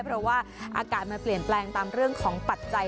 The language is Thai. เพราะว่าอากาศมันเปลี่ยนแปลงตามเรื่องของปัจจัย